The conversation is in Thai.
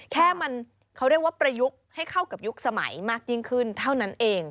แค่มันเขาเรียกว่าประยุกต์ให้เข้ากับยุคสมัยมากยิ่งขึ้นเท่านั้นเอง